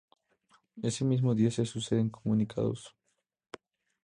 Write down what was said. Ese mismo día se suceden comunicados